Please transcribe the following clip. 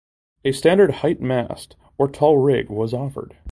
A standard height mast or tall rig was offered.